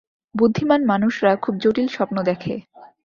বুদ্ধিমান মানুষরা খুব জটিল স্বপ্ন দেখে।